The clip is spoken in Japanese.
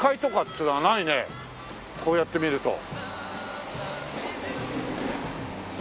こうやって見ると。